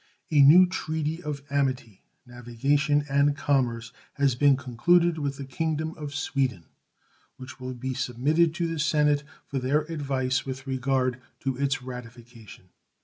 A new treaty of amity, navigation, and commerce has been concluded with the Kingdom of Sweden, which will be submitted to the Senate for their advice with regard to its ratification.